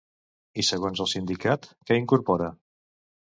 I segons el sindicat, què incorpora?